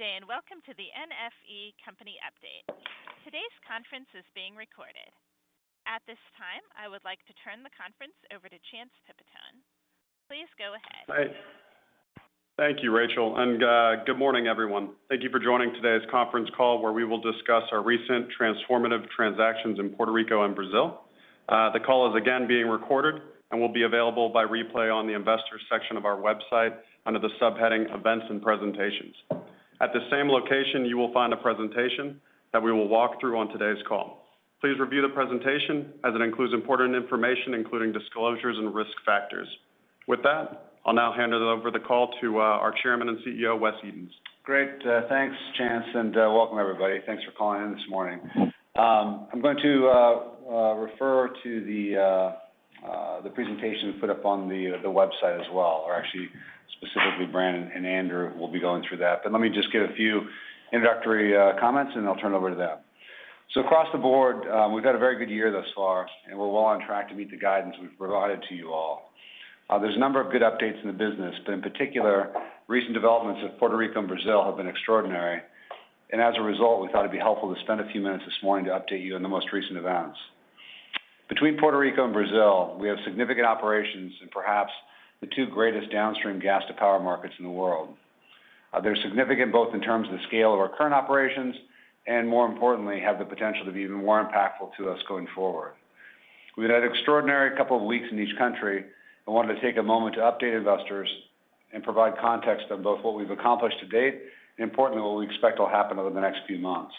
Good day and welcome to the NFE Company Update. Today's conference is being recorded. At this time, I would like to turn the conference over to Chance Pipitone. Please go ahead. Hi. Thank you, Rachel. And, good morning, everyone. Thank you for joining today's conference call where we will discuss our recent transformative transactions in Puerto Rico and Brazil. The call is again being recorded and will be available by replay on the investors section of our website under the subheading Events and Presentations. At the same location, you will find a presentation that we will walk through on today's call. Please review the presentation as it includes important information including disclosures and risk factors. With that, I'll now hand the call over to our Chairman and CEO, Wes Edens. Great. Thanks, Chance, and welcome, everybody. Thanks for calling in this morning. I'm going to refer to the presentation we put up on the website as well, or actually specifically Brannen and Andrew will be going through that. But let me just give a few introductory comments and then I'll turn it over to them. So across the board, we've had a very good year thus far and we're well on track to meet the guidance we've provided to you all. There's a number of good updates in the business, but in particular, recent developments at Puerto Rico and Brazil have been extraordinary. And as a result, we thought it'd be helpful to spend a few minutes this morning to update you on the most recent events. Between Puerto Rico and Brazil, we have significant operations in perhaps the two greatest downstream gas-to-power markets in the world. They're significant both in terms of the scale of our current operations and, more importantly, have the potential to be even more impactful to us going forward. We've had an extraordinary couple of weeks in each country and wanted to take a moment to update investors and provide context on both what we've accomplished to date and, importantly, what we expect will happen over the next few months.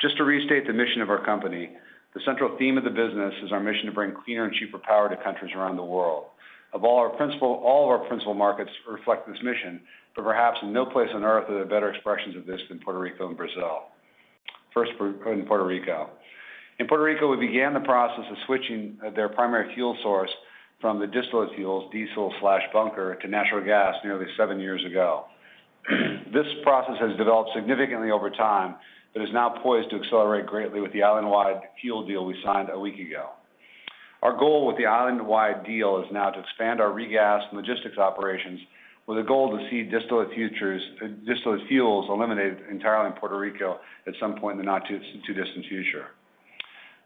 Just to restate the mission of our company, the central theme of the business is our mission to bring cleaner and cheaper power to countries around the world. Of all our principal markets reflect this mission, but perhaps in no place on earth are there better expressions of this than Puerto Rico and Brazil. First, Puerto Rico. In Puerto Rico, we began the process of switching their primary fuel source from the distillate fuels, diesel/bunker, to natural gas nearly seven years ago. This process has developed significantly over time but is now poised to accelerate greatly with the island-wide fuel deal we signed a week ago. Our goal with the island-wide deal is now to expand our regas logistics operations with a goal to see distillate futures distillate fuels eliminated entirely in Puerto Rico at some point in the not too, too distant future.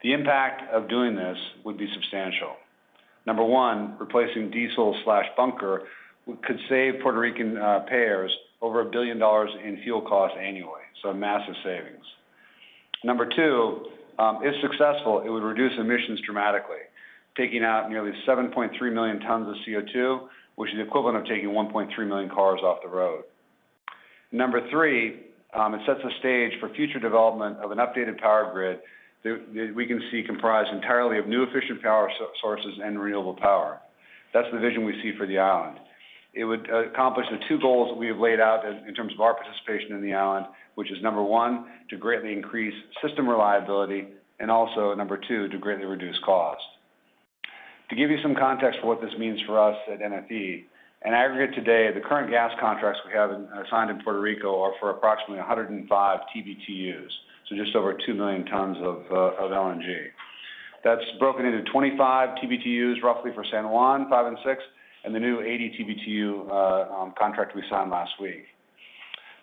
The impact of doing this would be substantial. Number one, replacing diesel/bunker with could save Puerto Rican payers over $1 billion in fuel costs annually, so massive savings. Number two, if successful, it would reduce emissions dramatically, taking out nearly 7.3 million tons of CO2, which is the equivalent of taking 1.3 million cars off the road. three, it sets the stage for future development of an updated power grid that we can see comprised entirely of new efficient power sources and renewable power. That's the vision we see for the island. It would accomplish the two goals that we have laid out in terms of our participation in the island, which is number one, to greatly increase system reliability, and also number two, to greatly reduce cost. To give you some context for what this means for us at NFE, in aggregate today, the current gas contracts we have signed in Puerto Rico are for approximately 105 TBTUs, so just over 2 million tons of LNG. That's broken into 25 TBTUs roughly for San Juan, five and six, and the new 80 TBTU contract we signed last week.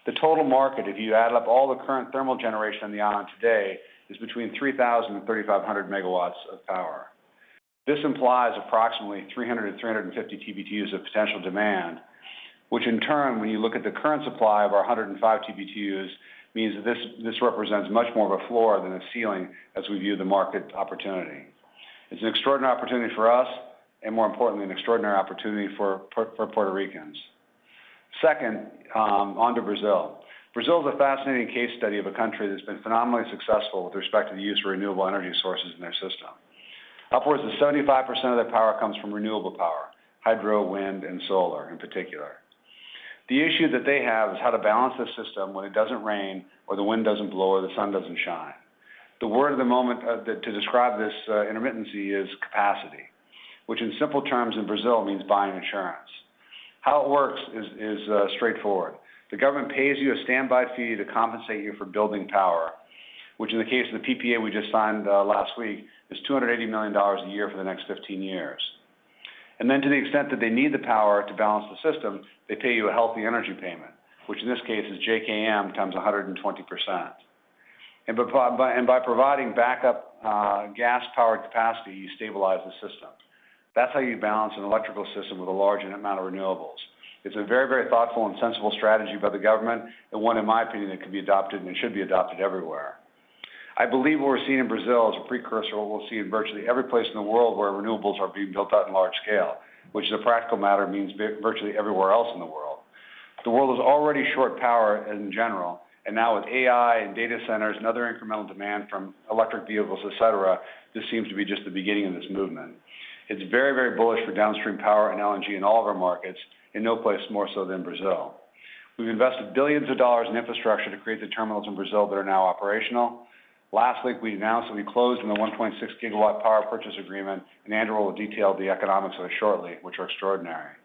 The total market, if you add up all the current thermal generation on the island today, is between 3,000-3,500 MW of power. This implies approximately 300-350 TBTUs of potential demand, which in turn, when you look at the current supply of our 105 TBTUs, means that this, this represents much more of a floor than a ceiling as we view the market opportunity. It's an extraordinary opportunity for us and, more importantly, an extraordinary opportunity for Puerto Ricans. Second, onto Brazil. Brazil's a fascinating case study of a country that's been phenomenally successful with respect to the use of renewable energy sources in their system. Upwards of 75% of their power comes from renewable power, hydro, wind, and solar in particular. The issue that they have is how to balance the system when it doesn't rain or the wind doesn't blow or the sun doesn't shine. The word of the moment to describe this, intermittency, is capacity, which in simple terms in Brazil means buying insurance. How it works is straightforward. The government pays you a standby fee to compensate you for building power, which in the case of the PPA we just signed last week is $280 million a year for the next 15 years. And then to the extent that they need the power to balance the system, they pay you a healthy energy payment, which in this case is JKM times 120%. And by providing backup, gas-powered capacity, you stabilize the system. That's how you balance an electrical system with a large amount of renewables. It's a very, very thoughtful and sensible strategy by the government and one, in my opinion, that could be adopted and should be adopted everywhere. I believe what we're seeing in Brazil is a precursor to what we'll see in virtually every place in the world where renewables are being built out in large scale, which as a practical matter means virtually everywhere else in the world. The world is already short power in general, and now with AI and data centers and other incremental demand from electric vehicles, etc., this seems to be just the beginning of this movement. It's very, very bullish for downstream power and LNG in all of our markets, in no place more so than Brazil. We've invested billions of dollars in infrastructure to create the terminals in Brazil that are now operational. Last week, we announced that we closed on the 1.6 GW power purchase agreement, and Andrew will detail the economics of it shortly, which are extraordinary.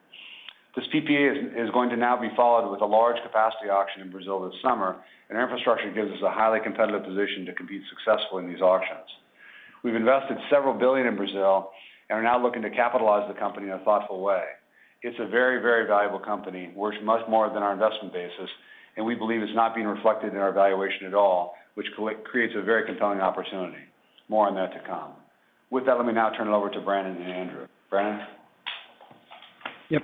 This PPA is going to now be followed with a large capacity auction in Brazil this summer, and our infrastructure gives us a highly competitive position to compete successfully in these auctions. We've invested several billion in Brazil and are now looking to capitalize the company in a thoughtful way. It's a very, very valuable company, worth much more than our investment basis, and we believe it's not being reflected in our valuation at all, which creates a very compelling opportunity. More on that to come. With that, let me now turn it over to Brannen and Andrew. Brannen? Yep.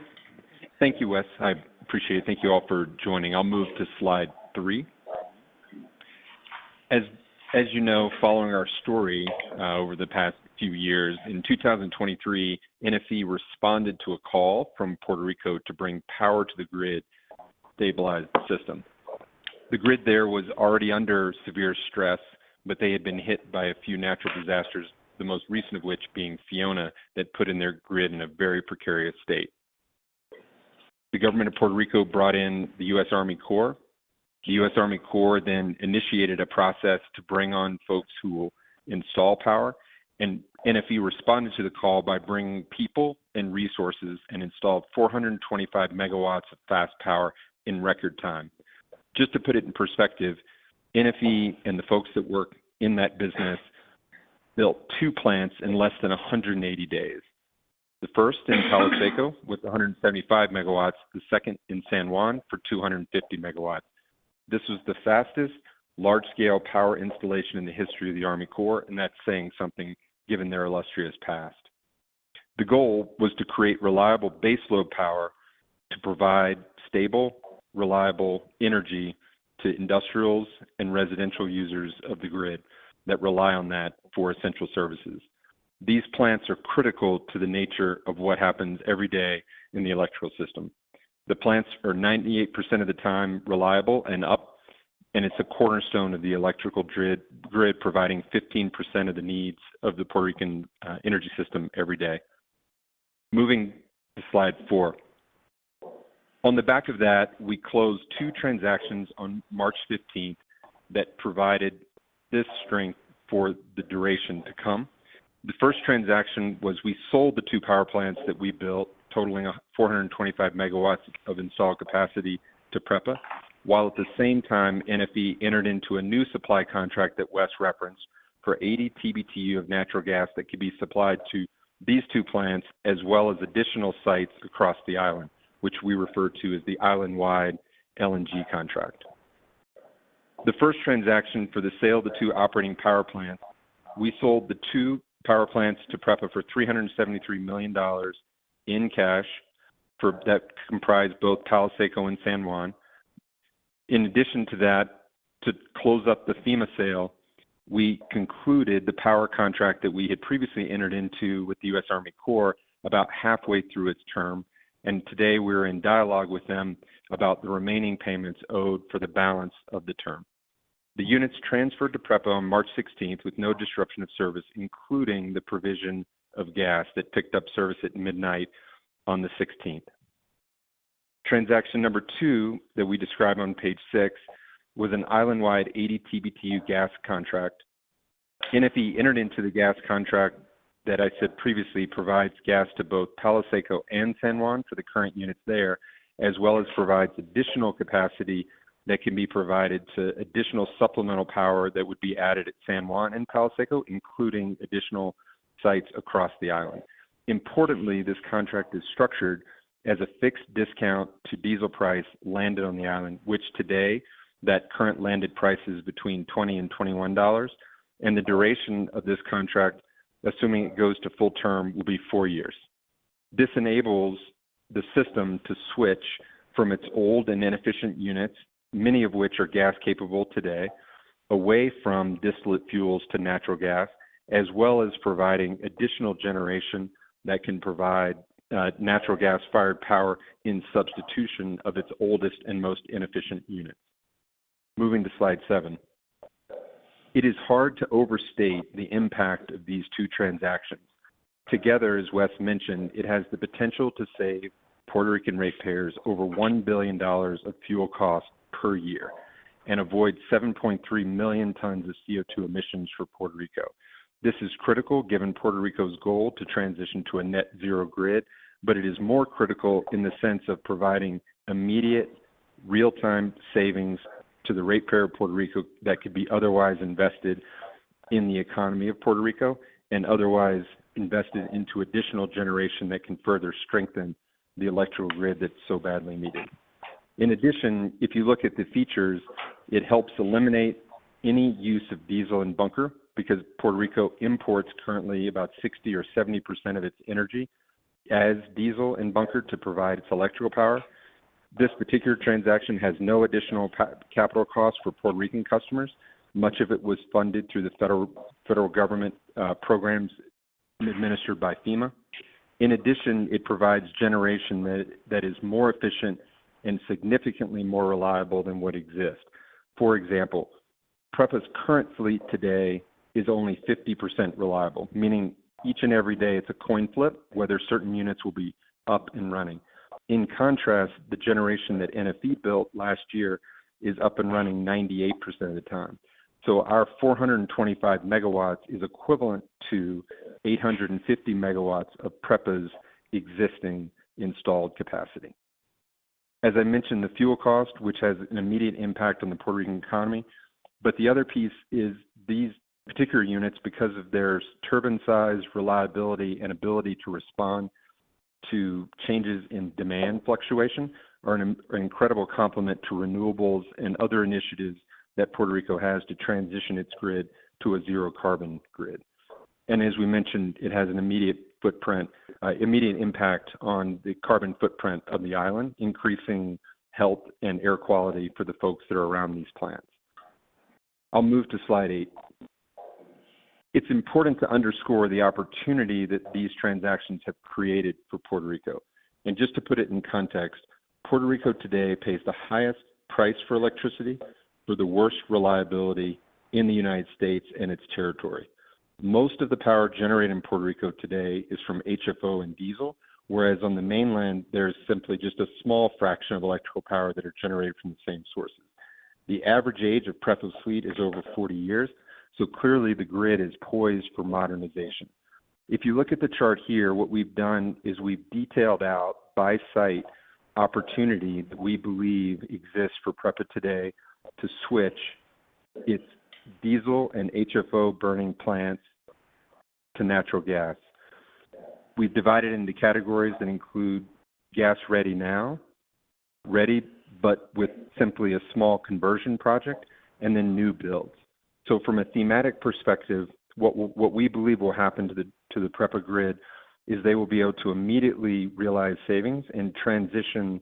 Thank you, Wes. I appreciate it. Thank you all for joining. I'll move to slide three. As, as you know, following our story, over the past few years, in 2023, NFE responded to a call from Puerto Rico to bring power to the grid. Stabilized the system. The grid there was already under severe stress, but they had been hit by a few natural disasters, the most recent of which being Fiona that put in their grid in a very precarious state. The government of Puerto Rico brought in the U.S. Army Corps of Engineers. The U.S. Army Corps of Engineers then initiated a process to bring on folks who will install power, and NFE responded to the call by bringing people and resources and installed 425 MW of Fast Power in record time. Just to put it in perspective, NFE and the folks that work in that business built two plants in less than 180 days. The first in Palo Seco with 175 MW, the second in San Juan for 250 MW. This was the fastest large-scale power installation in the history of the Army Corps, and that's saying something given their illustrious past. The goal was to create reliable baseload power to provide stable, reliable energy to industrials and residential users of the grid that rely on that for essential services. These plants are critical to the nature of what happens every day in the electrical system. The plants are 98% of the time reliable and up, and it's a cornerstone of the electrical grid, providing 15% of the needs of the Puerto Rican energy system every day. Moving to slide four. On the back of that, we closed two transactions on March 15th that provided this strength for the duration to come. The first transaction was we sold the two power plants that we built, totaling 425 MW of installed capacity to PREPA, while at the same time, NFE entered into a new supply contract that Wes referenced for 80 TBTU of natural gas that could be supplied to these 2 plants as well as additional sites across the island, which we refer to as the island-wide LNG contract. The first transaction for the sale of the 2 operating power plants, we sold the 2 power plants to PREPA for $373 million in cash for that comprised both Palo Seco and San Juan. In addition to that, to close up the FEMA sale, we concluded the power contract that we had previously entered into with the US Army Corps about halfway through its term, and today we're in dialogue with them about the remaining payments owed for the balance of the term. The units transferred to PREPA on March 16th with no disruption of service, including the provision of gas that picked up service at midnight on the 16th. Transaction number two that we describe on page six was an island-wide 80 TBTU gas contract. NFE entered into the gas contract that I said previously provides gas to both Palo Seco and San Juan for the current units there, as well as provides additional capacity that can be provided to additional supplemental power that would be added at San Juan and Palo Seco, including additional sites across the island. Importantly, this contract is structured as a fixed discount to diesel price landed on the island, which today, that current landed price is between $20-$21, and the duration of this contract, assuming it goes to full term, will be four years. This enables the system to switch from its old and inefficient units, many of which are gas-capable today, away from distillate fuels to natural gas, as well as providing additional generation that can provide natural gas-fired power in substitution of its oldest and most inefficient units. Moving to slide seven. It is hard to overstate the impact of these two transactions. Together, as Wes mentioned, it has the potential to save Puerto Rican ratepayers over $1 billion of fuel costs per year and avoid 7.3 million tons of CO2 emissions for Puerto Rico. This is critical given Puerto Rico's goal to transition to a net-zero grid, but it is more critical in the sense of providing immediate, real-time savings to the ratepayer of Puerto Rico that could be otherwise invested in the economy of Puerto Rico and otherwise invested into additional generation that can further strengthen the electrical grid that's so badly needed. In addition, if you look at the features, it helps eliminate any use of diesel and bunker because Puerto Rico imports currently about 60%-70% of its energy as diesel and bunker to provide its electrical power. This particular transaction has no additional capital costs for Puerto Rican customers. Much of it was funded through the federal government programs administered by FEMA. In addition, it provides generation that is more efficient and significantly more reliable than what exists. For example, PREPA's current fleet today is only 50% reliable, meaning each and every day it's a coin flip whether certain units will be up and running. In contrast, the generation that NFE built last year is up and running 98% of the time. So our 425 MW is equivalent to 850 MW of PREPA's existing installed capacity. As I mentioned, the fuel cost, which has an immediate impact on the Puerto Rican economy, but the other piece is these particular units, because of their turbine size, reliability, and ability to respond to changes in demand fluctuation, are an incredible complement to renewables and other initiatives that Puerto Rico has to transition its grid to a zero-carbon grid. And as we mentioned, it has an immediate footprint, immediate impact on the carbon footprint of the island, increasing health and air quality for the folks that are around these plants. I'll move to slide eight. It's important to underscore the opportunity that these transactions have created for Puerto Rico. Just to put it in context, Puerto Rico today pays the highest price for electricity for the worst reliability in the United States and its territory. Most of the power generated in Puerto Rico today is from HFO and diesel, whereas on the mainland, there's simply just a small fraction of electrical power that are generated from the same sources. The average age of PREPA's fleet is over 40 years, so clearly the grid is poised for modernization. If you look at the chart here, what we've done is we've detailed out by site opportunity that we believe exists for PREPA today to switch its diesel and HFO burning plants to natural gas. We've divided into categories that include gas-ready now, ready but with simply a small conversion project, and then new builds. So from a thematic perspective, what we believe will happen to the PREPA grid is they will be able to immediately realize savings and transition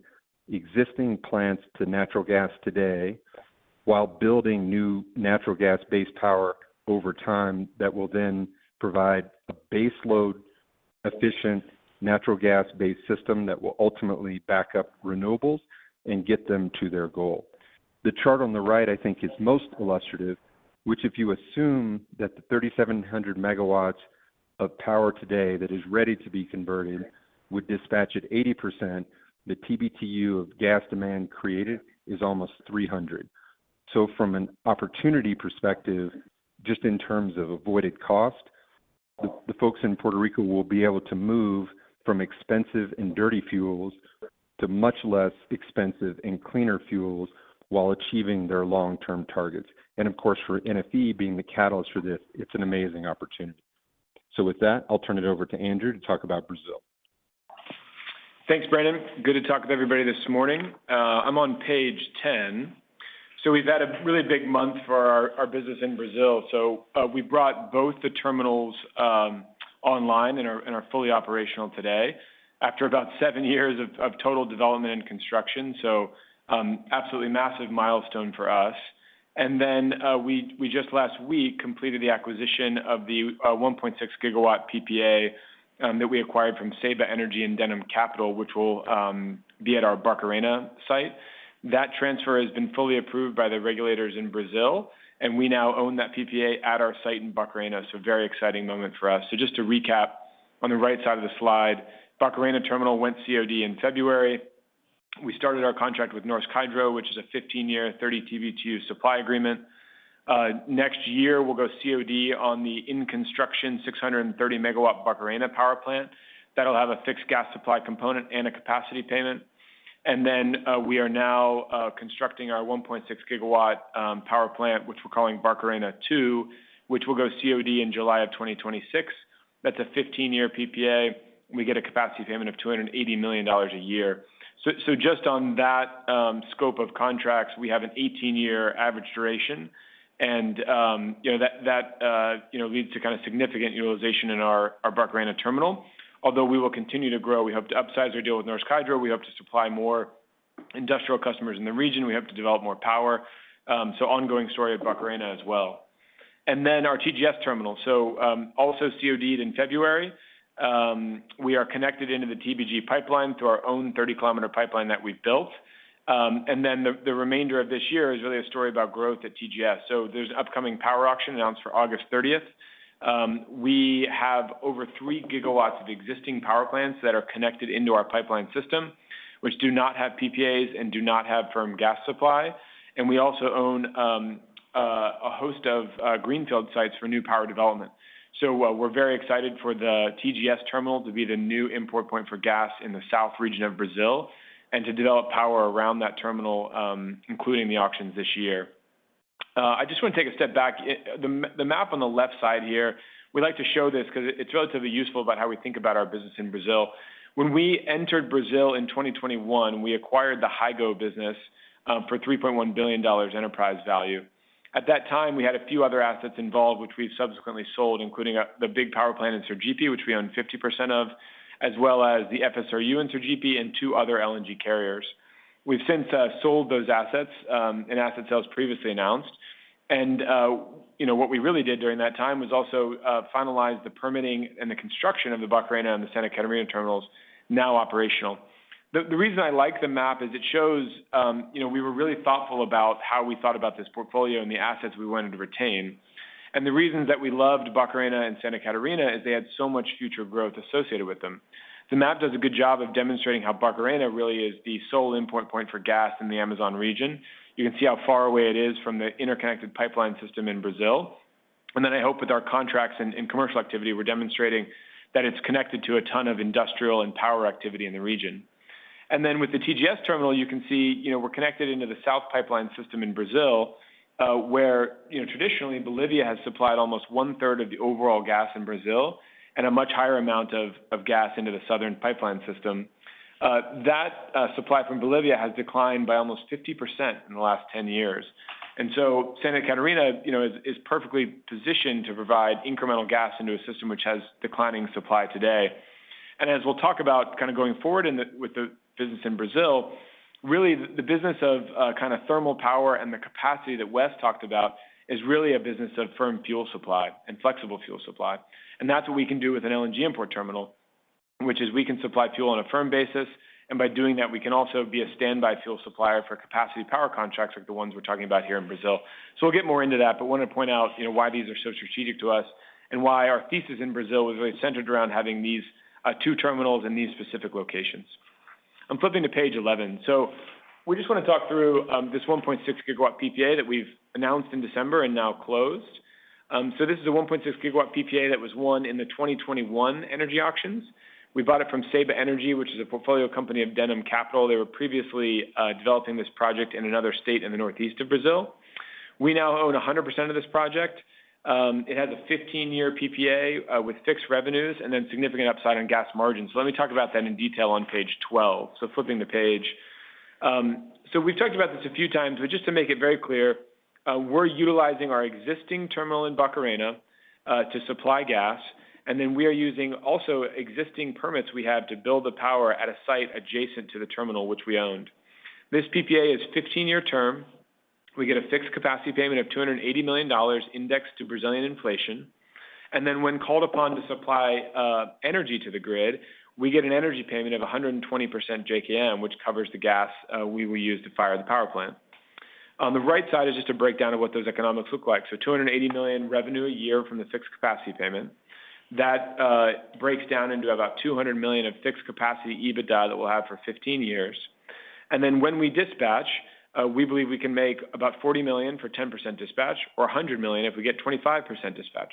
existing plants to natural gas today while building new natural gas-based power over time that will then provide a baseload-efficient natural gas-based system that will ultimately back up renewables and get them to their goal. The chart on the right, I think, is most illustrative, which if you assume that the 3,700 MW of power today that is ready to be converted would dispatch at 80%, the TBTU of gas demand created is almost 300. So from an opportunity perspective, just in terms of avoided cost, the folks in Puerto Rico will be able to move from expensive and dirty fuels to much less expensive and cleaner fuels while achieving their long-term targets. And of course, for NFE being the catalyst for this, it's an amazing opportunity. So with that, I'll turn it over to Andrew to talk about Brazil. Thanks, Brannen. Good to talk with everybody this morning. I'm on page 10. So we've had a really big month for our business in Brazil. So, we brought both the terminals online and are fully operational today after about seven years of total development and construction. So, absolutely massive milestone for us. And then, we just last week completed the acquisition of the 1.6 GW PPA that we acquired from Ceiba Energy and Denham Capital, which will be at our Barcarena site. That transfer has been fully approved by the regulators in Brazil, and we now own that PPA at our site in Barcarena. So very exciting moment for us. So just to recap, on the right side of the slide, Barcarena terminal went COD in February. We started our contract with Norsk Hydro, which is a 15-year, 30 TBTU supply agreement. Next year, we'll go COD on the in-construction 630 MW Barcarena power plant. That'll have a fixed gas supply component and a capacity payment. And then, we are now constructing our 1.6 GWpower plant, which we're calling Barcarena II, which will go COD in July of 2026. That's a 15-year PPA. We get a capacity payment of $280 million a year. So, so just on that, scope of contracts, we have an 18-year average duration. And, you know, that, that, you know, leads to kind of significant utilization in our, our Barcarena terminal. Although we will continue to grow, we hope to upsize our deal with Norsk Hydro. We hope to supply more industrial customers in the region. We hope to develop more power. So ongoing story at Barcarena as well. And then our TGS terminal. So, also CODed in February. We are connected into the TBG pipeline through our own 30-kilometer pipeline that we've built. And then the remainder of this year is really a story about growth at TGS. So there's an upcoming power auction announced for August 30th. We have over three GW of existing power plants that are connected into our pipeline system, which do not have PPAs and do not have firm gas supply. And we also own a host of greenfield sites for new power development. So, we're very excited for the TGS terminal to be the new import point for gas in the south region of Brazil and to develop power around that terminal, including the auctions this year. I just want to take a step back. On the, the map on the left side here, we like to show this because it's relatively useful about how we think about our business in Brazil. When we entered Brazil in 2021, we acquired the Hygo business, for $3.1 billion enterprise value. At that time, we had a few other assets involved, which we've subsequently sold, including the big power plant in Sergipe, which we own 50% of, as well as the FSRU in Sergipe and two other LNG carriers. We've since sold those assets, and asset sales previously announced. And, you know, what we really did during that time was also finalize the permitting and the construction of the Barcarena and the Santa Catarina terminals, now operational. The reason I like the map is it shows, you know, we were really thoughtful about how we thought about this portfolio and the assets we wanted to retain. And the reasons that we loved Barcarena and Santa Catarina is they had so much future growth associated with them. The map does a good job of demonstrating how Barcarena really is the sole import point for gas in the Amazon region. You can see how far away it is from the interconnected pipeline system in Brazil. And then I hope with our contracts and, and commercial activity, we're demonstrating that it's connected to a ton of industrial and power activity in the region. And then with the TGS terminal, you can see, you know, we're connected into the south pipeline system in Brazil, where, you know, traditionally, Bolivia has supplied almost one-third of the overall gas in Brazil and a much higher amount of, of gas into the southern pipeline system. That supply from Bolivia has declined by almost 50% in the last 10 years. And so Santa Catarina, you know, is perfectly positioned to provide incremental gas into a system which has declining supply today. And as we'll talk about kind of going forward with the business in Brazil, really the business of kind of thermal power and the capacity that Wes talked about is really a business of firm fuel supply and flexible fuel supply. And that's what we can do with an LNG import terminal, which is we can supply fuel on a firm basis. And by doing that, we can also be a standby fuel supplier for capacity power contracts like the ones we're talking about here in Brazil. So we'll get more into that, but want to point out, you know, why these are so strategic to us and why our thesis in Brazil was really centered around having these two terminals in these specific locations. I'm flipping to page 11. So we just want to talk through this 1.6 GWPPA that we've announced in December and now closed. So this is a 1.6 GWPPA that was won in the 2021 energy auctions. We bought it from Ceiba Energy, which is a portfolio company of Denham Capital. They were previously developing this project in another state in the northeast of Brazil. We now own 100% of this project. It has a 15-year PPA, with fixed revenues and then significant upside on gas margins. So let me talk about that in detail on page 12. So flipping the page. So we've talked about this a few times, but just to make it very clear, we're utilizing our existing terminal in Barcarena, to supply gas. And then we are using also existing permits we have to build the power at a site adjacent to the terminal, which we owned. This PPA is 15-year term. We get a fixed capacity payment of $280 million indexed to Brazilian inflation. And then when called upon to supply energy to the grid, we get an energy payment of 120% JKM, which covers the gas we will use to fire the power plant. On the right side is just a breakdown of what those economics look like. So $280 million revenue a year from the fixed capacity payment. That breaks down into about $200 million of fixed capacity EBITDA that we'll have for 15 years. And then when we dispatch, we believe we can make about $40 million for 10% dispatch or $100 million if we get 25% dispatch.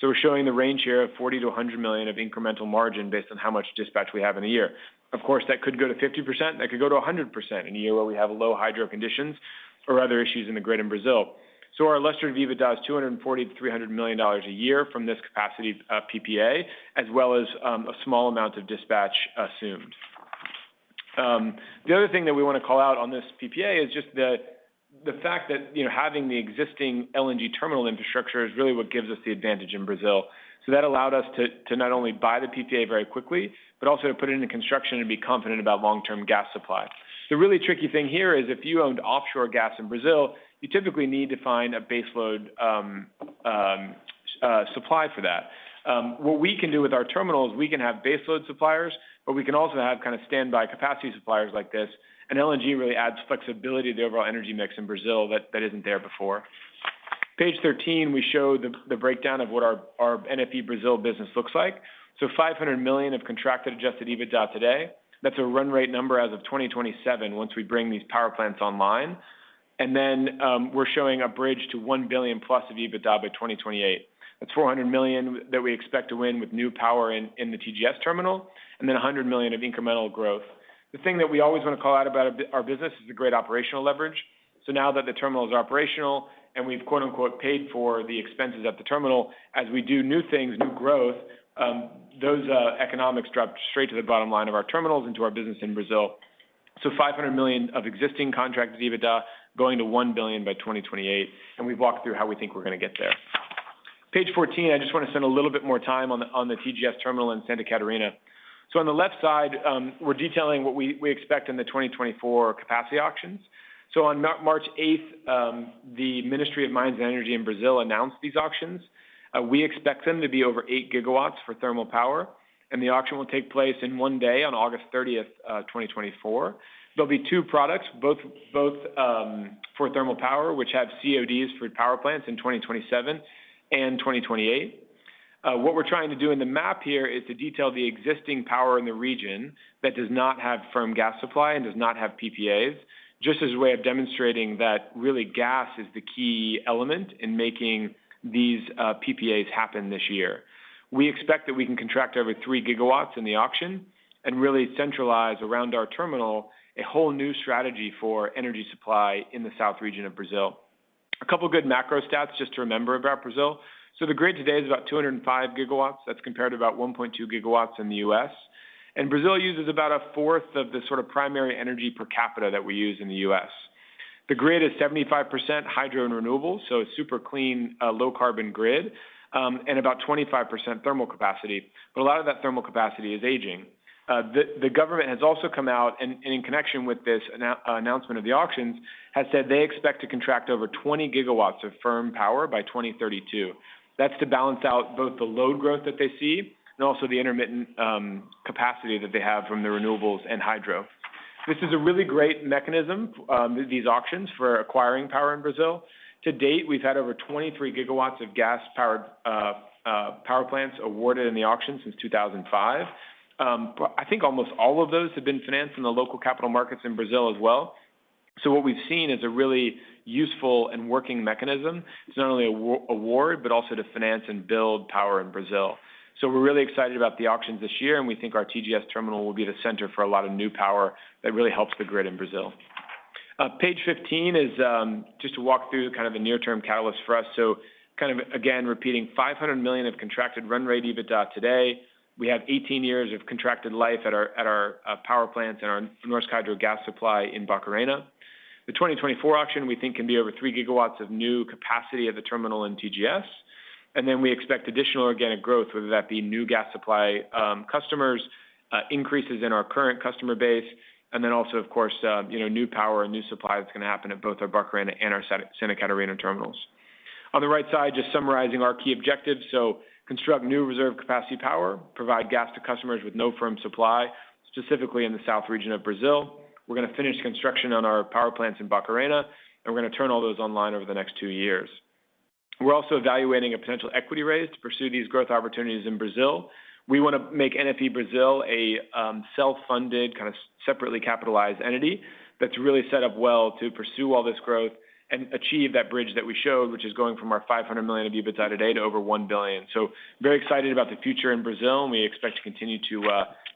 So we're showing the range here of $40 million-$100 million of incremental margin based on how much dispatch we have in a year. Of course, that could go to 50%. That could go to 100% in a year where we have low hydro conditions or other issues in the grid in Brazil. So our levered EBITDA is $240 million-$300 million a year from this capacity, PPA, as well as a small amount of dispatch assumed. The other thing that we want to call out on this PPA is just the fact that, you know, having the existing LNG terminal infrastructure is really what gives us the advantage in Brazil. So that allowed us to not only buy the PPA very quickly, but also to put it into construction and be confident about long-term gas supply. The really tricky thing here is if you owned offshore gas in Brazil, you typically need to find a baseload supply for that. What we can do with our terminals, we can have baseload suppliers, but we can also have kind of standby capacity suppliers like this. And LNG really adds flexibility to the overall energy mix in Brazil that, that isn't there before. Page 13, we show the, the breakdown of what our, our NFE Brazil business looks like. So $500 million of contracted adjusted EBITDA today. That's a run rate number as of 2027 once we bring these power plants online. And then, we're showing a bridge to $1 billion plus of EBITDA by 2028. That's $400 million that we expect to win with new power in, in the TGS terminal and then $100 million of incremental growth. The thing that we always want to call out about our business is the great operational leverage. So now that the terminal is operational and we've, quote-unquote, paid for the expenses at the terminal, as we do new things, new growth, those economics drop straight to the bottom line of our terminals into our business in Brazil. So $500 million of existing contracted EBITDA going to $1 billion by 2028. And we've walked through how we think we're going to get there. Page 14, I just want to spend a little bit more time on the TGS terminal in Santa Catarina. So on the left side, we're detailing what we expect in the 2024 capacity auctions. So on March 8th, the Ministry of Mines and Energy in Brazil announced these auctions. We expect them to be over 8 GW for thermal power. The auction will take place in one day on August 30th, 2024. There'll be two products, both, both, for thermal power, which have CODs for power plants in 2027 and 2028. What we're trying to do in the map here is to detail the existing power in the region that does not have firm gas supply and does not have PPAs, just as a way of demonstrating that really gas is the key element in making these, PPAs happen this year. We expect that we can contract over 3 GW in the auction and really centralize around our terminal a whole new strategy for energy supply in the south region of Brazil. A couple of good macro stats just to remember about Brazil. So the grid today is about 205 GW. That's compared to about 1.2 GW in the U.S. Brazil uses about a fourth of the sort of primary energy per capita that we use in the US. The grid is 75% hydro and renewable, so a super clean, low-carbon grid, and about 25% thermal capacity. But a lot of that thermal capacity is aging. The government has also come out and in connection with this announcement of the auctions, has said they expect to contract over 20 GW of firm power by 2032. That's to balance out both the load growth that they see and also the intermittent capacity that they have from the renewables and hydro. This is a really great mechanism, these auctions for acquiring power in Brazil. To date, we've had over 23 GW of gas-powered power plants awarded in the auction since 2005. but I think almost all of those have been financed in the local capital markets in Brazil as well. So what we've seen is a really useful and working mechanism. It's not only an award, but also to finance and build power in Brazil. So we're really excited about the auctions this year, and we think our TGS terminal will be the center for a lot of new power that really helps the grid in Brazil. Page 15 is, just to walk through kind of the near-term catalyst for us. So kind of, again, repeating, $500 million of contracted run rate EBITDA today. We have 18 years of contracted life at our power plants and our Norsk Hydro gas supply in Barcarena. The 2024 auction, we think, can be over three GW of new capacity at the terminal in TGS. And then we expect additional organic growth, whether that be new gas supply, customers, increases in our current customer base, and then also, of course, you know, new power and new supply that's going to happen at both our Barcarena and our Santa Catarina terminals. On the right side, just summarizing our key objectives. So construct new reserve capacity power, provide gas to customers with no firm supply, specifically in the south region of Brazil. We're going to finish construction on our power plants in Barcarena, and we're going to turn all those online over the next two years. We're also evaluating a potential equity raise to pursue these growth opportunities in Brazil. We want to make NFE Brazil a self-funded, kind of separately capitalized entity that's really set up well to pursue all this growth and achieve that bridge that we showed, which is going from our $500 million of EBITDA today to over $1 billion. So very excited about the future in Brazil, and we expect to continue to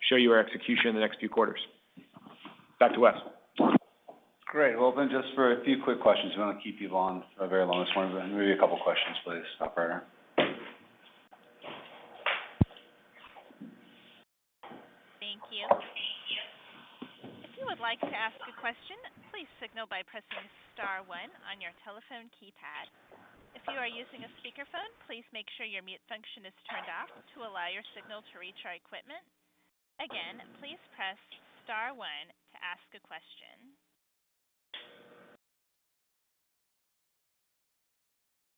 show you our execution in the next few quarters. Back to Wes. Great. Well, then just for a few quick questions. We want to keep you long, very long this morning, but maybe a couple of questions, please. Stop right here. Thank you. Thank you. If you would like to ask a question, please signal by pressing star one on your telephone keypad. If you are using a speakerphone, please make sure your mute function is turned off to allow your signal to reach our equipment. Again, please press star one to ask a question.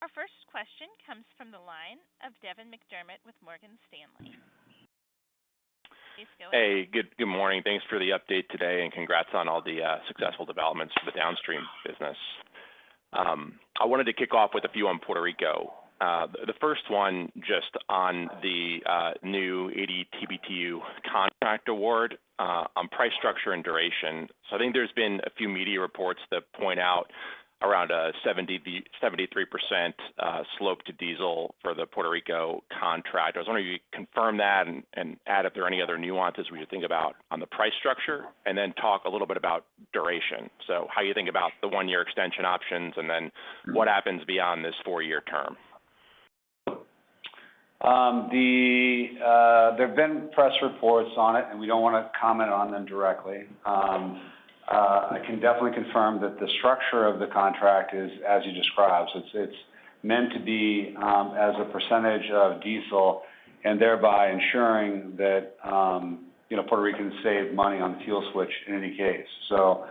Our first question comes from the line of Devin McDermott with Morgan Stanley. Hey. Good, good morning. Thanks for the update today, and congrats on all the successful developments for the downstream business. I wanted to kick off with a few on Puerto Rico. The first one just on the new 80 TBTU contract award, on price structure and duration. So I think there's been a few media reports that point out around a 70%, 73% slope to diesel for the Puerto Rico contract. I was wondering if you could confirm that and add if there are any other nuances we should think about on the price structure, and then talk a little bit about duration. So how you think about the one-year extension options, and then what happens beyond this four-year term? There've been press reports on it, and we don't want to comment on them directly. I can definitely confirm that the structure of the contract is as you describe. So it's, it's meant to be, as a percentage of diesel and thereby ensuring that, you know, Puerto Rico can save money on the fuel switch in any case. So,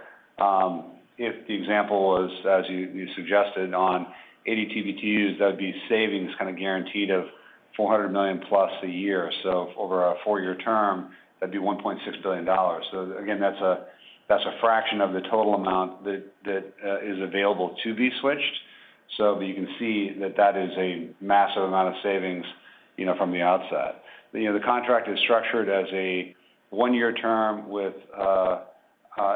if the example was, as you, you suggested, on 80 TBTUs, that would be savings kind of guaranteed of $400 million plus a year. So over a four-year term, that'd be $1.6 billion. So again, that's a that's a fraction of the total amount that, that, is available to be switched. So but you can see that that is a massive amount of savings, you know, from the outset. You know, the contract is structured as a one-year term with,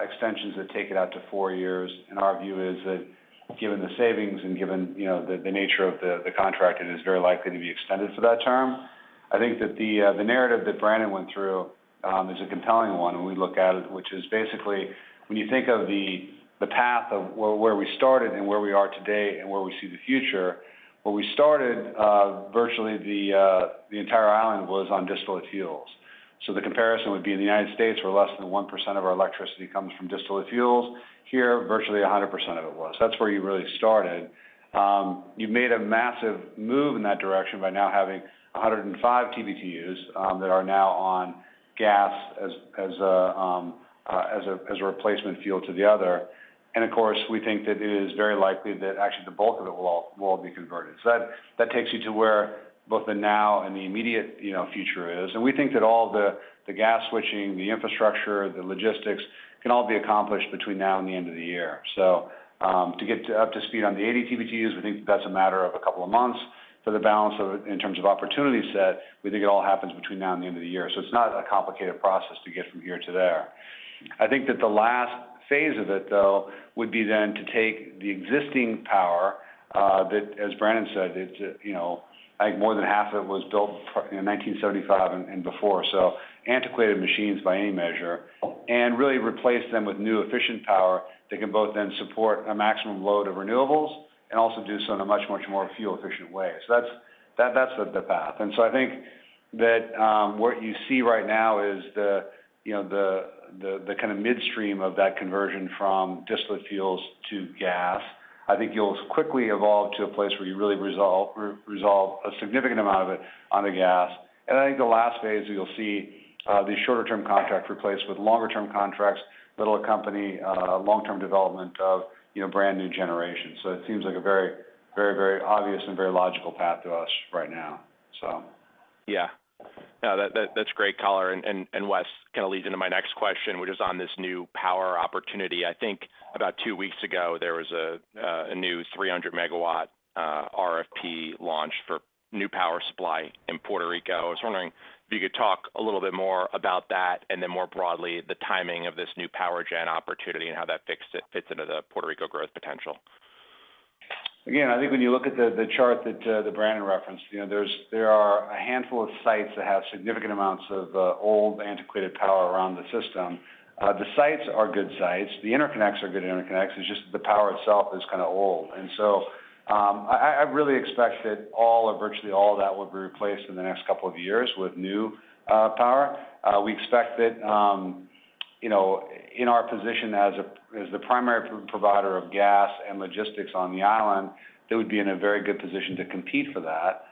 extensions that take it out to four years. And our view is that given the savings and given, you know, the nature of the contract, it is very likely to be extended for that term. I think that the narrative that Brannen went through is a compelling one when we look at it, which is basically when you think of the path of where we started and where we are today and where we see the future, where we started, virtually the entire island was on distillate fuels. So the comparison would be in the United States, where less than 1% of our electricity comes from distillate fuels. Here, virtually 100% of it was. That's where you really started. You've made a massive move in that direction by now having 105 TBTUs that are now on gas as a replacement fuel to the other. And of course, we think that it is very likely that actually the bulk of it will all, will all be converted. So that, that takes you to where both the now and the immediate, you know, future is. And we think that all of the, the gas switching, the infrastructure, the logistics can all be accomplished between now and the end of the year. So, to get up to speed on the 80 TBTUs, we think that that's a matter of a couple of months. For the balance of it in terms of opportunity set, we think it all happens between now and the end of the year. So it's not a complicated process to get from here to there. I think that the last phase of it, though, would be then to take the existing power, that, as Brannen said, it's, you know, I think more than half of it was built in 1975 and before. So antiquated machines by any measure. And really replace them with new efficient power that can both then support a maximum load of renewables and also do so in a much, much more fuel-efficient way. So that's the path. And so I think that, what you see right now is the, you know, the kind of midstream of that conversion from distillate fuels to gas. I think you'll quickly evolve to a place where you really resolve, resolve a significant amount of it on the gas. I think the last phase that you'll see, these shorter-term contracts replaced with longer-term contracts, little accompaniment, long-term development of, you know, brand new generation. So it seems like a very, very, very obvious and very logical path to us right now, so. Yeah. Yeah. That, that's great, color. And Wes kind of leads into my next question, which is on this new power opportunity. I think about two weeks ago, there was a new 300 MW RFP launched for new power supply in Puerto Rico. I was wondering if you could talk a little bit more about that and then more broadly the timing of this new power gen opportunity and how that fits into the Puerto Rico growth potential? Again, I think when you look at the chart that Brannen referenced, you know, there are a handful of sites that have significant amounts of old antiquated power around the system. The sites are good sites. The interconnects are good interconnects. It's just the power itself is kind of old. And so, I really expect that all or virtually all of that will be replaced in the next couple of years with new power. We expect that, you know, in our position as the primary provider of gas and logistics on the island, that we'd be in a very good position to compete for that.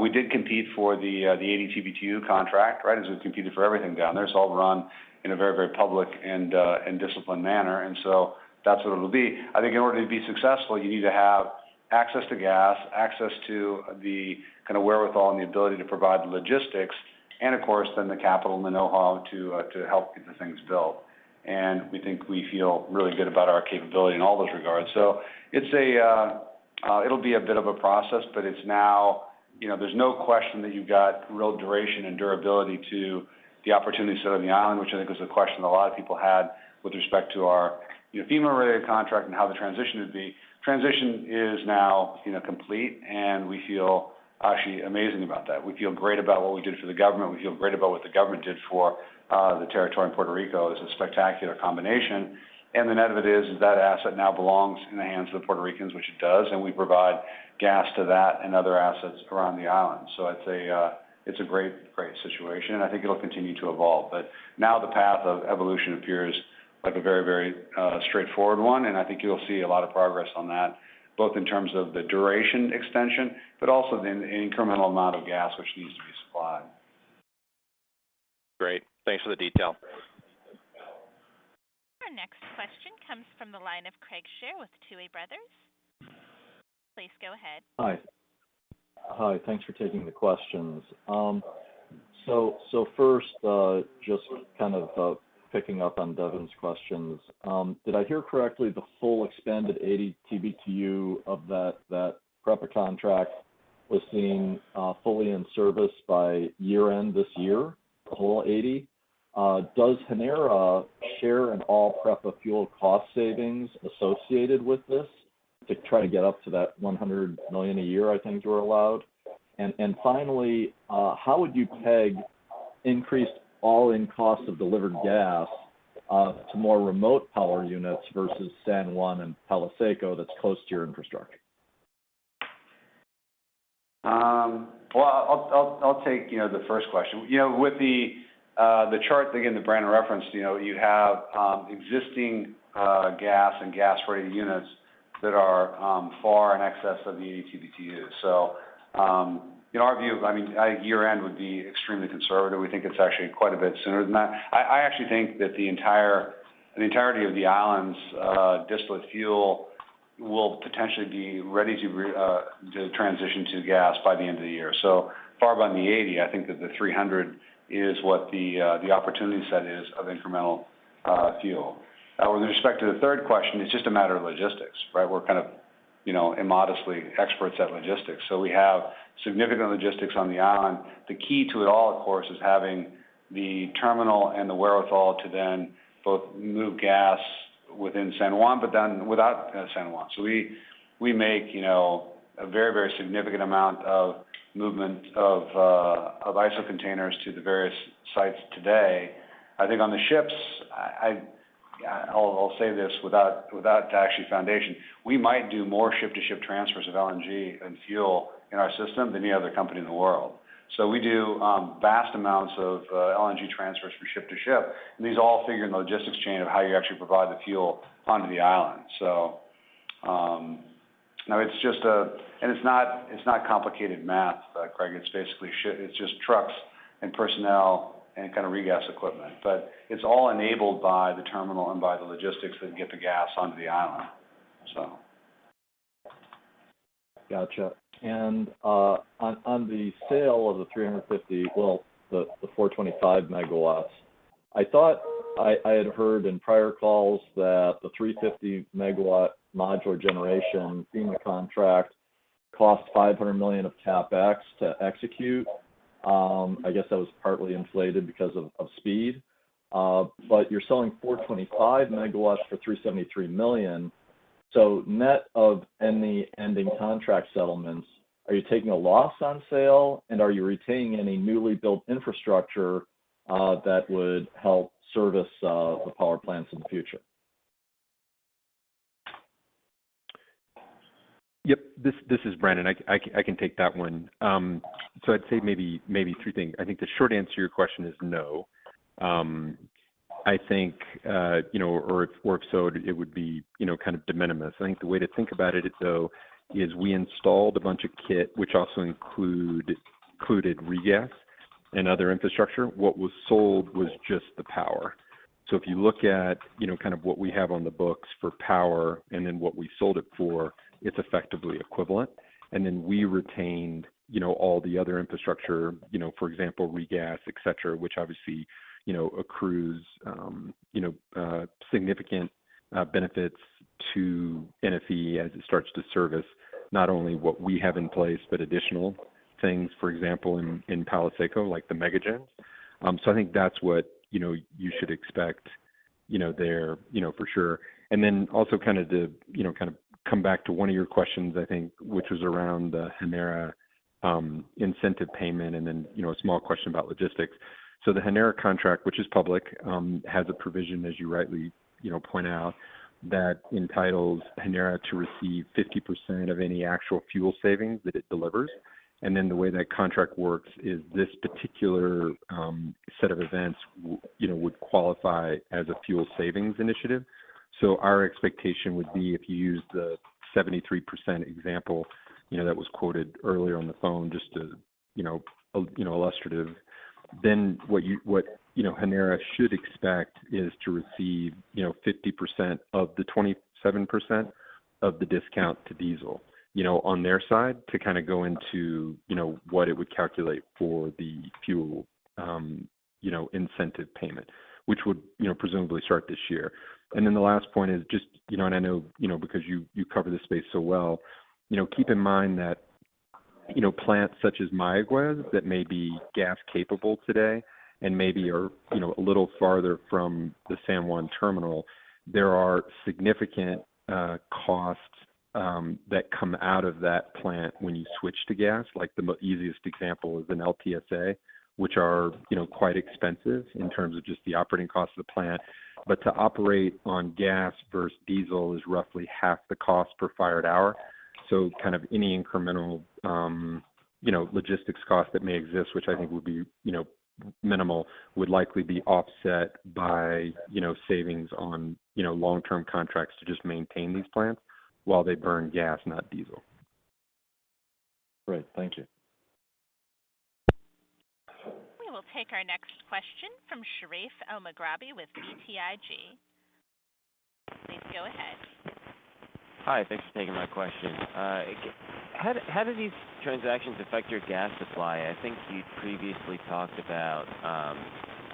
We did compete for the 80 TBTU contract, right, as we competed for everything down there. It's all run in a very public and disciplined manner. And so that's what it'll be. I think in order to be successful, you need to have access to gas, access to the kind of wherewithal and the ability to provide the logistics, and of course, then the capital and the know-how to help get the things built. And we think we feel really good about our capability in all those regards. So it's a, it'll be a bit of a process, but it's now, you know, there's no question that you've got real duration and durability to the opportunities that are on the island, which I think was a question that a lot of people had with respect to our, you know, FEMA-related contract and how the transition would be. Transition is now, you know, complete, and we feel actually amazing about that. We feel great about what we did for the government. We feel great about what the government did for the territory in Puerto Rico. It's a spectacular combination. And the net of it is, is that asset now belongs in the hands of the Puerto Ricans, which it does. And we provide gas to that and other assets around the island. So it's a, it's a great, great situation. And I think it'll continue to evolve. But now the path of evolution appears like a very, very straightforward one. And I think you'll see a lot of progress on that, both in terms of the duration extension, but also the incremental amount of gas, which needs to be supplied. Great. Thanks for the detail. Our next question comes from the line of Craig Shere with Tuohy Brothers. Please go ahead. Hi. Hi. Thanks for taking the questions. So, so first, just kind of picking up on Devin's questions. Did I hear correctly the full expansion of 80 TBTU of that PREPA contract will be fully in service by year-end this year, the whole 80? Does Genera PR share in all PREPA fuel cost savings associated with this to try to get up to that $100 million a year, I think, you were allowed? And finally, how would you peg increased all-in cost of delivered gas to more remote power units versus San Juan and Palo Seco that's close to your infrastructure? Well, I'll take you know the first question. You know, with the chart that again that Brannen referenced, you know, you have existing gas and gas-ready units that are far in excess of the 80 TBTUs. So, in our view, I mean, I think year-end would be extremely conservative. We think it's actually quite a bit sooner than that. I actually think that the entirety of the island's distillate fuel will potentially be ready to transition to gas by the end of the year. So far beyond the 80, I think that the 300 is what the opportunity set is of incremental fuel. With respect to the third question, it's just a matter of logistics, right? We're kind of, you know, immodestly experts at logistics. So we have significant logistics on the island. The key to it all, of course, is having the terminal and the wherewithal to then both move gas within San Juan, but then outside San Juan. So we make, you know, a very, very significant amount of movement of ISO-containers to the various sites today. I think on the ships, I'll say this without actual foundation. We might do more ship-to-ship transfers of LNG and fuel in our system than any other company in the world. So we do vast amounts of LNG transfers from ship to ship. And these all figure in the logistics chain of how you actually provide the fuel onto the island. So now it's just a and it's not it's not complicated math, Craig. It's basically ship it's just trucks and personnel and kind of regas equipment. But it's all enabled by the terminal and by the logistics that get the gas onto the island, so. Gotcha. And on the sale of the 350, well, the 425 MW, I thought I had heard in prior calls that the 350 MW modular generation FEMA contract cost $500 million of CapEx to execute. I guess that was partly inflated because of speed. But you're selling 425 MW for $373 million. So net of any ending contract settlements, are you taking a loss on sale, and are you retaining any newly built infrastructure that would help service the power plants in the future? Yep. This is Brannen. I can take that one. I'd say maybe three things. I think the short answer to your question is no. I think, you know, or if so, it would be, you know, kind of de minimis. I think the way to think about it, though, is we installed a bunch of kit, which also included regas and other infrastructure. What was sold was just the power. So if you look at, you know, kind of what we have on the books for power and then what we sold it for, it's effectively equivalent. And then we retained, you know, all the other infrastructure, you know, for example, regas, etc., which obviously, you know, accrues, you know, significant benefits to NFE as it starts to service, not only what we have in place, but additional things, for example, in Palo Seco, like the [unintelligible] So I think that's what, you know, you should expect, you know, there, you know, for sure. And then also kind of to, you know, kind of come back to one of your questions, I think, which was around the Genera incentive payment and then, you know, a small question about logistics. So the Genera contract, which is public, has a provision, as you rightly, you know, point out, that entitles Genera to receive 50% of any actual fuel savings that it delivers. Then the way that contract works is this particular set of events, you know, would qualify as a fuel savings initiative. Our expectation would be if you use the 73% example, you know, that was quoted earlier on the phone just to, you know, a you know, illustrative, then what you, you know, Genera should expect is to receive, you know, 50% of the 27% of the discount to diesel, you know, on their side to kind of go into, you know, what it would calculate for the fuel, you know, incentive payment, which would, you know, presumably start this year. And then the last point is just, you know and I know, you know, because you cover this space so well, you know, keep in mind that, you know, plants such as Mayagüez that may be gas-capable today and maybe are, you know, a little farther from the San Juan terminal, there are significant costs that come out of that plant when you switch to gas. Like the easiest example is an LTSA, which are, you know, quite expensive in terms of just the operating cost of the plant. But to operate on gas versus diesel is roughly half the cost per fired hour. So kind of any incremental, you know, logistics cost that may exist, which I think would be, you know, minimal, would likely be offset by, you know, savings on, you know, long-term contracts to just maintain these plants while they burn gas, not diesel. Great. Thank you. We will take our next question from Sherif Elmaghrabi with BTIG. Please go ahead. Hi. Thanks for taking my question. How do these transactions affect your gas supply? I think you'd previously talked about,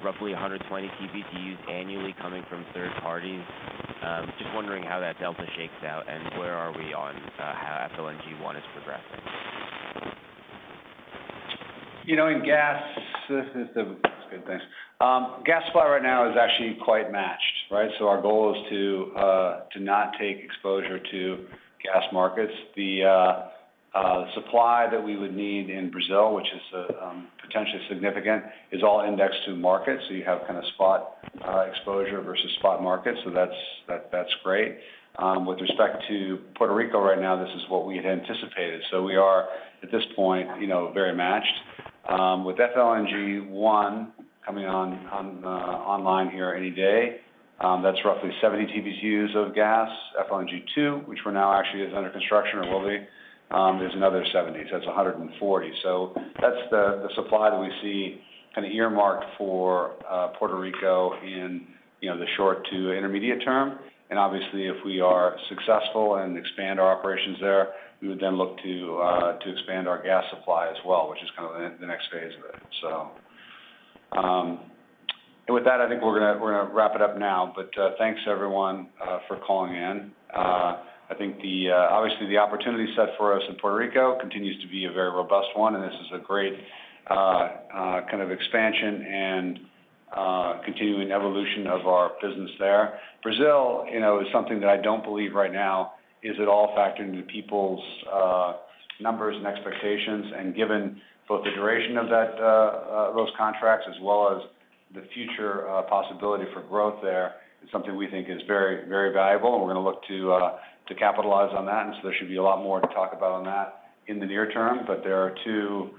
roughly 120 TBTUs annually coming from third parties. Just wondering how that delta shakes out and where are we on, how FLNG 1 is progressing. That's good. Thanks. Gas supply right now is actually quite matched, right? So our goal is to not take exposure to gas markets. The supply that we would need in Brazil, which is potentially significant, is all indexed to markets. So you have kind of spot exposure versus spot markets. So that's great. With respect to Puerto Rico right now, this is what we had anticipated. So we are at this point, you know, very matched. with FLNG 1 coming on online here any day, that's roughly 70 TBTUs of gas. FLNG 2, which we're now actually is under construction or will be, is another 70. So that's 140. So that's the supply that we see kind of earmarked for Puerto Rico in, you know, the short to intermediate term. And obviously, if we are successful and expand our operations there, we would then look to expand our gas supply as well, which is kind of the next phase of it, so. And with that, I think we're going to wrap it up now. But thanks, everyone, for calling in. I think obviously the opportunity set for us in Puerto Rico continues to be a very robust one. And this is a great, kind of expansion and continuing evolution of our business there. Brazil, you know, is something that I don't believe right now is at all factored into people's numbers and expectations. And given both the duration of that, those contracts as well as the future possibility for growth there, it's something we think is very, very valuable. And we're going to look to, to capitalize on that. And so there should be a lot more to talk about on that in the near term. But there are two,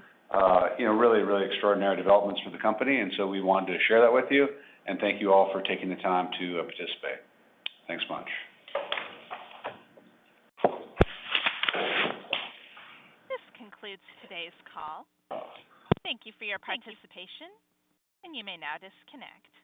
you know, really, really extraordinary developments for the company. And so we wanted to share that with you. And thank you all for taking the time to participate. Thanks much. This concludes today's call. Thank you for your participation. And you may now disconnect.